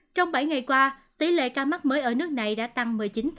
trong bảy ngày qua tỷ lệ ca mắc mới ở nước này đã tăng một mươi chín